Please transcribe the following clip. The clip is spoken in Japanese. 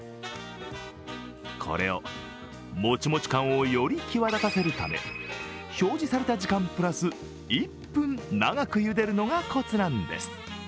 これをモチモチ感をより際立たせるため、表示された時間プラス１分長くゆでるのがコツなんです。